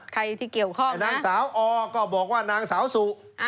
ใครที่เกี่ยวข้องนางสาวอก็บอกว่านางสาวสุ